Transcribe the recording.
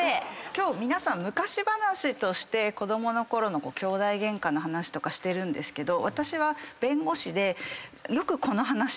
今日皆さん昔話として子供のころのきょうだいゲンカの話してるんですけど私は弁護士でよく。